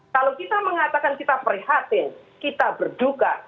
kalau kita mengatakan kita prihatin kita berduka